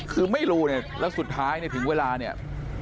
คือไม่รู้เนี่ยแล้วสุดท้ายเนี่ยถึงเวลาเนี่ย